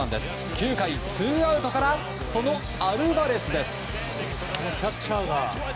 ９回、ツーアウトからそのアルバレスです。